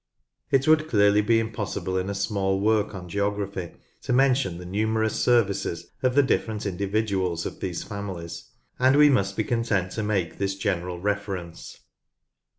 It would clearly be impossible in a small work on geography to mention the numerous services of the different individuals of these families, and we must be content to make this general reference.